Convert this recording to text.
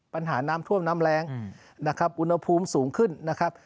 ปัญหาน้ำท่วมน้ำแรงนะครับอุณหภูมิสูงขึ้นนะครับ